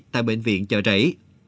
tại bệnh viện chờ rảy